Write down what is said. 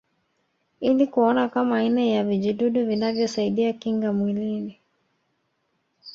Ili kuona kama aina ya vijidudu vinavyosaidia kinga mwilini